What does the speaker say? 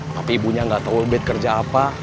tapi ibunya gak tau ubed kerja apa